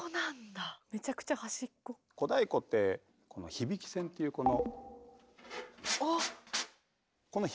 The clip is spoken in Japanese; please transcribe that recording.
小太鼓ってこの響き線っていうこの。